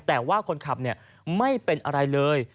แต่ว่าคนขับไม่เป็นอะไรเลย